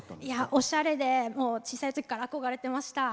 おしゃれで、小さいときから憧れていました。